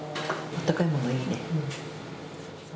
あったかいのがいいね。